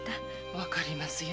分かりますよ